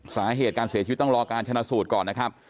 สาเหตุการเสียชีวิตต้องรอการชนะสูตรก่อนนะครับ